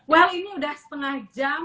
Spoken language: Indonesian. well ini udah setengah jam